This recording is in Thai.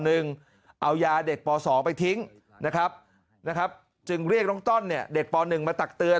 เอายาเด็กป๒ไปทิ้งนะครับจึงเรียกน้องต้นเด็กป๑มาตักเตือน